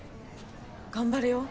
頑張れよ！